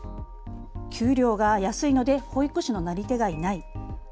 給料が安いので保育士のなり手がいない。